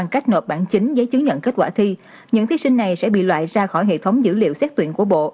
quả thi những thí sinh này sẽ bị loại ra khỏi hệ thống dữ liệu xét tuyển của bộ